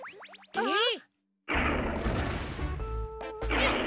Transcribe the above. えっ？